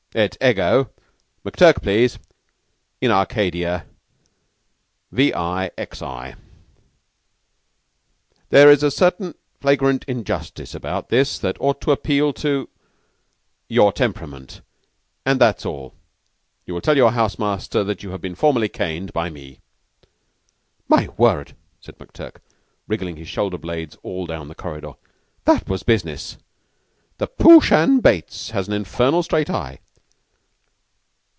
Et ego McTurk, please in Arcadia vixi. There's a certain flagrant injustice about this that ought to appeal to your temperament. And that's all! You will tell your house master that you have been formally caned by me." "My word!" said McTurk, wriggling his shoulder blades all down the corridor. "That was business! The Prooshan Bates has an infernal straight eye."